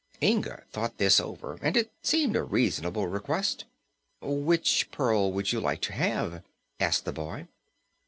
Inga thought this over and it seemed a reasonable request. "Which pearl would you like to have?" asked the boy.